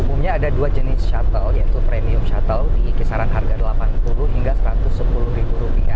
umumnya ada dua jenis shuttle yaitu premium shuttle di kisaran harga rp delapan puluh hingga rp satu ratus sepuluh